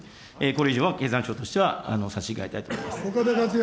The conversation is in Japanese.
これ以上は経産省としては差し控えたいと思います。